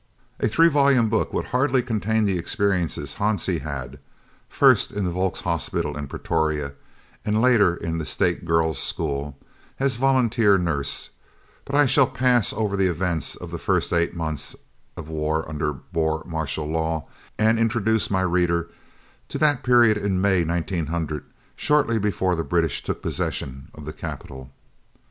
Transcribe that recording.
A three volume book would hardly contain the experiences Hansie had, first in the Volks Hospital in Pretoria and later in the State Girls' School, as volunteer nurse, but I shall pass over the events of the first eight months of war under Boer martial law and introduce my reader to that period in May 1900 shortly before the British took possession of the capital.